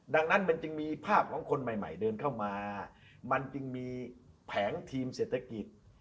ดังนั้นมันจึงมีภาพของคนใหม่เดินเข้ามามันจึงมีแผงทีมเศรษฐกิจ